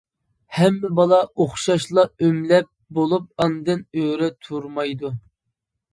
ھەممە بالا ئوخشاشلا ئۆمىلەپ بولۇپ ئاندىن ئۆرە تۇرمايدۇ.